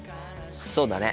そうだね。